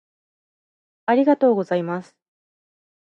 ありがとうございます。